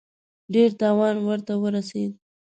ډېر تاوان ورته ورسېد.